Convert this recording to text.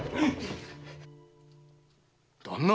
旦那